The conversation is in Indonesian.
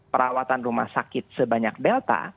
perawatan rumah sakit sebanyak delta